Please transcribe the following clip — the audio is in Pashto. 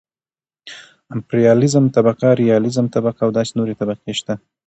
امپرياليزم طبقه ،رياليزم طبقه او داسې نورې طبقې شته .